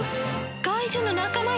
怪獣の仲間よ。